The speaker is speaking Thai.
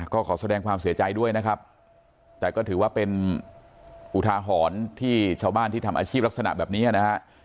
ก็ขอแสดงความเสียใจด้วยนะครับแต่ก็ถือว่าเป็นอุทาหรณ์ที่ชาวบ้านที่ทำอาชีพลักษณะแบบนี้นะฮะ